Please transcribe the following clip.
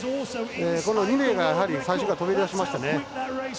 この２名がやはり最初から飛び出しましたね。